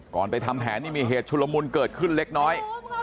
ไปทำแผนนี่มีเหตุชุลมุนเกิดขึ้นเล็กน้อย